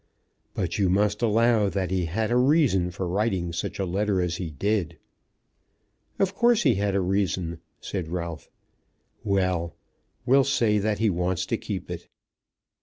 "But you must allow that he had a reason for writing such a letter as he did." "Of course he had a reason," said Ralph. "Well; we'll say that he wants to keep it."